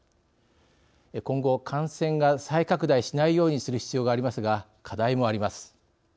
今後、感染が再拡大しないようにする必要がありますが課題もあります。